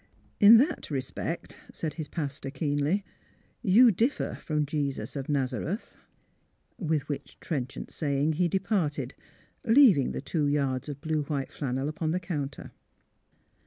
" In that respect," said his pastor, keenly, " you differ from Jesus of Nazareth." With which trenchant saying he departed, leav ing the two yards of blue white flannel upon the counter.